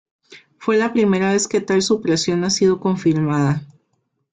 Fue la primera vez que tal supresión ha sido confirmada.